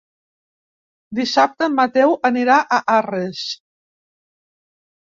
Dissabte en Mateu anirà a Arres.